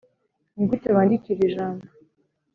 nigute wandika irijambo ?"